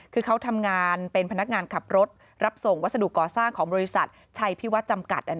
คือเขาทำงานเป็นพนักงานขับรถรับส่งวัสดุก่อสร้างของบริษัทชัยพิวัฒน์จำกัด